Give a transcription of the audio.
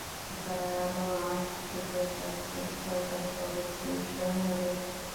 তারও আগে থেকে চাঁদপুর সরকারি কলেজ এই শহরের প্রাণ।